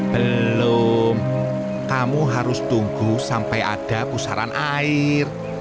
belum kamu harus tunggu sampai ada pusaran air